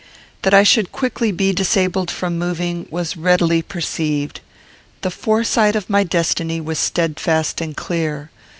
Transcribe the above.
That I should quickly be disabled from moving, was readily perceived. The foresight of my destiny was steadfast and clear.